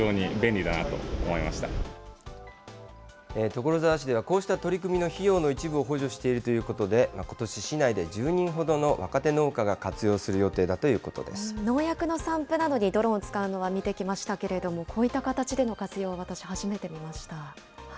所沢市では、こうした取り組みの費用の一部を補助しているということで、ことし、市内で１０人ほどの若手農家が活用する予定だということ農薬の散布などにドローンを使うのは見てきましたけれども、こういった形での活用は、私、初めて見ました。